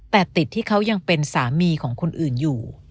แต่ติดที่เขายังเป็นสามีของคนอื่นอยู่